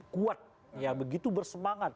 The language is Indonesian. kuat begitu bersemangat